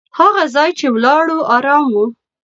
هغه ځای چې ولاړو، ارام و.